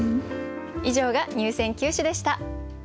以上が入選九首でした。